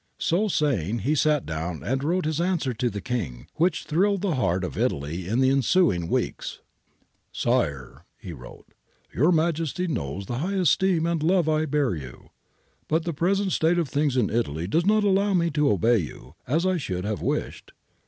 So saying he sat down and wrote his answer to the King, which thrilled the heart of Italy in the ensuing weeks. ' Sire,' he wrote, ' Your Majesty knows the high esteem and love I bear you. But the present state of things in Italy does not allow me to obey you, as I should have wished.